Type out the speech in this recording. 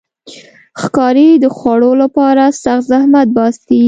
ښکاري د خوړو لپاره سخت زحمت باسي.